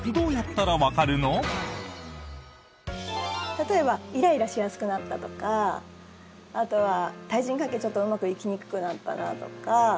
例えばイライラしやすくなったとかあとは対人関係、ちょっとうまくいきにくくなったなとか